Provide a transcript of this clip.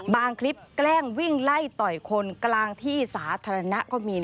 คลิปแกล้งวิ่งไล่ต่อยคนกลางที่สาธารณะก็มี